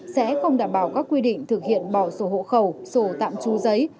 sẽ không đảm bảo các quy định thực hiện bỏ sổ hộ khẩu sổ tạm trú giấy